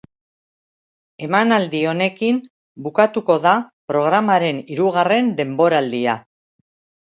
Emanaldi honekin bukatuko da programaren hirugarren denboraldia.